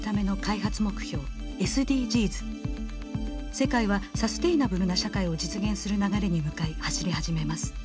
世界はサステナブルな社会を実現する流れに向かい走り始めます。